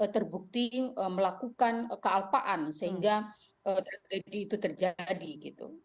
terbukti melakukan kealpaan sehingga tragedi itu terjadi gitu